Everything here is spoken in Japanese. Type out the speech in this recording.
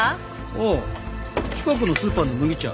ああ近くのスーパーの麦茶。